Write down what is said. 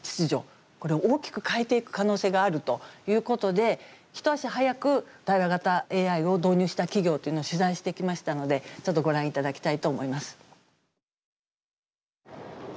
これ大きく変えていく可能性があるということで一足早く対話型ＡＩを導入した企業というのを取材してきましたのでちょっとご覧いただきたいと思います。